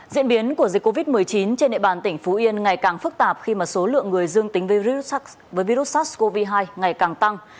diễn biến của dịch covid một mươi chín trên địa bàn tỉnh phú yên ngày càng phức tạp khi mà số lượng người dương tính với virus sars cov hai ngày càng tăng